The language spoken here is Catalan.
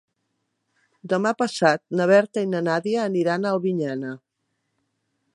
Demà passat na Berta i na Nàdia aniran a Albinyana.